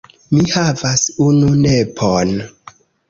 Mi havas unu nepon.